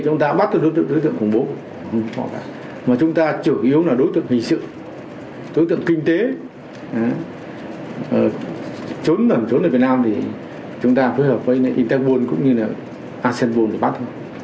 trốn tầm trốn ở việt nam thì chúng ta phối hợp với interpol cũng như là aseanpol để bắt